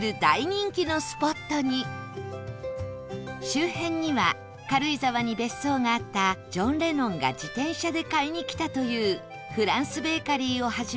周辺には軽井沢に別荘があったジョン・レノンが自転車で買いに来たというフランスベーカリーを始め